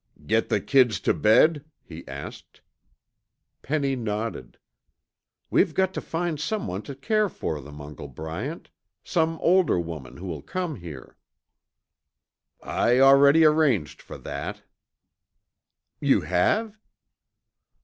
"Get the kids tuh bed?" he asked. Penny nodded. "We've got to find someone to take care of them, Uncle Bryant some older woman who will come here." "I already arranged fer that." "You have?"